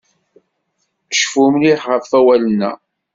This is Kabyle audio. Cfu mliḥ ɣef awalen-a.